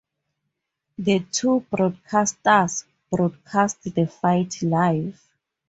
The two broadcasters broadcast the fight live.